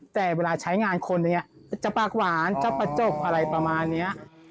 แต่เวลาใช้งานคนอย่างนี้จะปากหวานจะประจบอะไรประมาณนี้